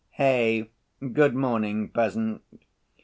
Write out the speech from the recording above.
Hey, good morning, peasant!"